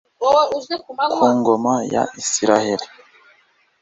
ku ngoma ya Isirayeli